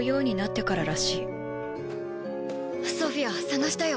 ソフィア捜したよ。